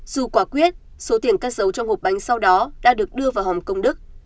dù quả quyết số tiền cất dấu trong hộp bánh sau đó đã được đưa vào hòng công đức